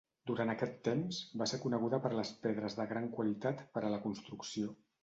Durant aquest temps, va ser coneguda per les pedres de gran qualitat per a la construcció.